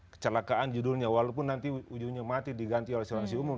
kecelakaan judulnya walaupun nanti ujungnya mati diganti oleh asuransi umum